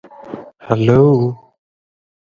Hello